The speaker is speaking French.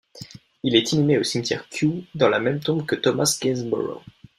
Il est inhumé au cimetière Kew dans la même tombe que Thomas Gainsborough.